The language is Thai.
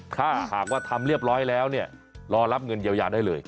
ถ้าหากว่าทำเรียบร้อยแล้วเนี่ยรอรับเงินเยียวยาได้เลย